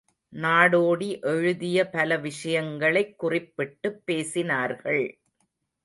நாடோடி எழுதிய பல விஷயங்களைக் குறிப்பிட்டுப் பேசினார்கள்.